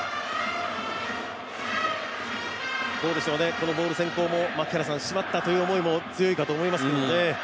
このボール先行もしまったという感じも強いと思いますけどね。